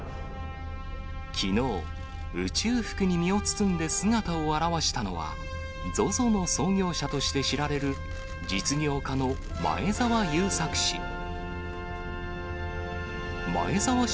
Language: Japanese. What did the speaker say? きのう、宇宙服に身を包んで姿を現したのは、ＺＯＺＯの創業者として知られる実業家の前澤友作氏。